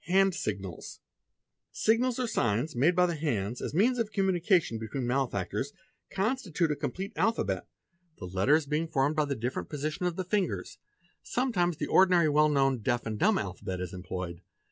Hand Signals. wy Sign als or signs made by the hands, as means of communication veen malefactors, constitute a complete alphabet, the letters being 336 PRACTICES OF CRIMINALS formed by the different positions of the fingers; sometimes the ordinary well known deaf and dumb alphabet is employed.